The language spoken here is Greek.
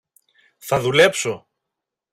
Θα δουλέψω!